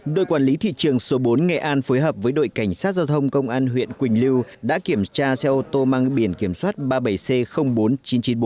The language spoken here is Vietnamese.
đội quản lý thị trường số bốn nghệ an phối hợp với đội cảnh sát giao thông công an huyện quỳnh lưu đã kiểm tra xe ô tô mang biển kiểm soát ba mươi bảy c bốn nghìn chín trăm chín mươi bốn